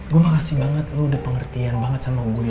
gue makasih banget lo udah pengertian banget sama gue